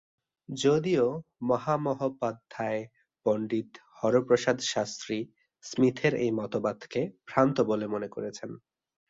যদিও মহামহোপাধ্যায় পণ্ডিত হরপ্রসাদ শাস্ত্রী স্মিথের এই মতবাদকে ভ্রান্ত বলে মনে করেছেন।